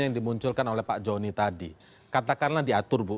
tidak mungkin akan diwilayah tertentu